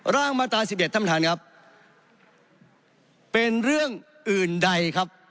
ร่างมาตรา๑๑ท่านครับเป็นเรื่องอื่นใดครับ